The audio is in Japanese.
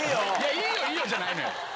「いいよいいよ」じゃない！